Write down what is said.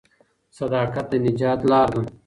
صداقت د نجات لار ده.